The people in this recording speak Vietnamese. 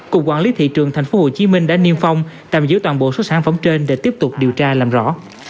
cục quản lý thị trường tp hcm đã niêm phong tạm giữ toàn bộ số sản phẩm trên để tiếp tục điều tra làm rõ